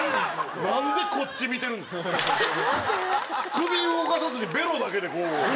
首動かさずにべろだけでこう。